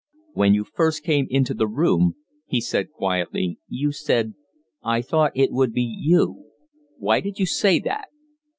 "When you first came into the room," he said, quietly, "you said 'I thought it would be you.' Why did you say that?"